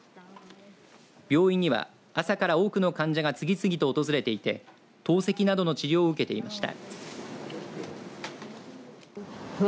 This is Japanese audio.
病院には朝から多くの患者が次々と訪れていて透析などの治療を受けていました。